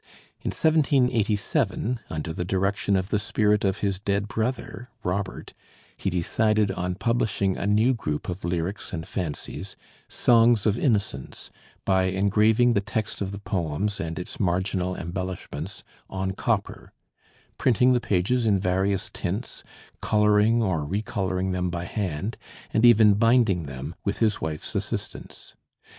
In 1787, "under the direction of the spirit of his dead brother," Robert, he decided on publishing a new group of lyrics and fancies, 'Songs of Innocence,' by engraving the text of the poems and its marginal embellishments on copper printing the pages in various tints, coloring or recoloring them by hand, and even binding them, with his wife's assistance.